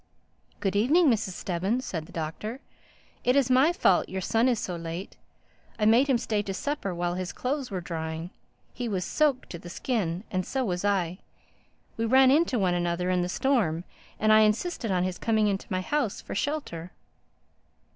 "Good evening, Mrs. Stubbins," said the Doctor. "It is my fault your son is so late. I made him stay to supper while his clothes were drying. He was soaked to the skin; and so was I. We ran into one another in the storm and I insisted on his coming into my house for shelter."